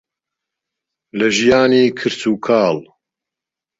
لە ژیانی کرچ و کاڵ.